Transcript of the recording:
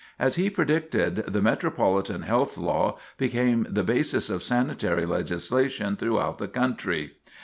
As he predicted, the Metropolitan Health Law became the basis of sanitary legislation throughout the country.